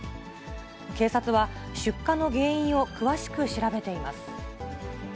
警察は出火の原因を詳しく調べています。